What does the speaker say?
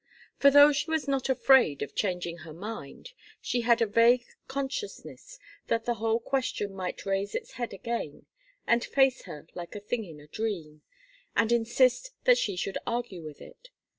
For though she was not afraid of changing her mind she had a vague consciousness that the whole question might raise its head again and face her like a thing in a dream, and insist that she should argue with it.